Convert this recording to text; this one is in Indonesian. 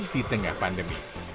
di tengah pandemi